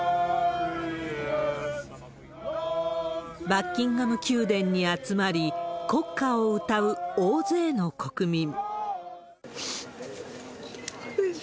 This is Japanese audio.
バッキンガム宮殿に集まり、国歌を歌う大勢の国民。